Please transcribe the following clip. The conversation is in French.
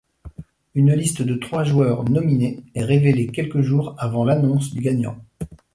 Une liste de trois joueurs nominés est révélée quelques jours avant l'annonce du gagnant.